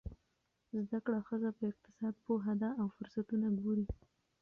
زده کړه ښځه په اقتصاد پوهه ده او فرصتونه ګوري.